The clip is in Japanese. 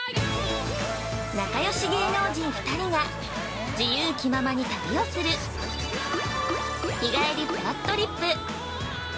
◆仲よし芸能人２人が自由気ままに旅をする「日帰りぷらっとりっぷ」